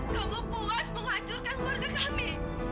kamu puas menghancurkan keluarga kami